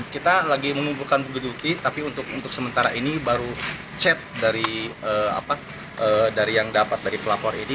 kita lagi mengumpulkan bukti bukti tapi untuk sementara ini baru chat dari yang dapat dari pelapor ini